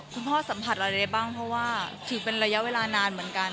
คุณพ่อสัมผัสอะไรได้บ้างเพราะว่าถือเป็นระยะเวลานานเหมือนกัน